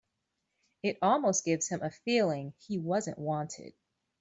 It almost gives him a feeling he wasn't wanted.